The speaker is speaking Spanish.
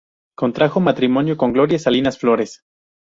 Contrajo matrimonio con Gloria Salinas Flores.